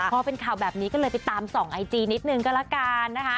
พอเป็นข่าวแบบนี้ก็เลยไปตามส่องไอจีนิดนึงก็ละกันนะคะ